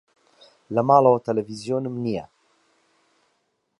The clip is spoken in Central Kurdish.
لە ماڵەوە تەلەڤیزیۆنم نییە.